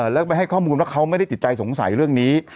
แล้วก็ไปให้ข้อมูลว่าเขาไม่ได้ติดใจสงสัยเรื่องนี้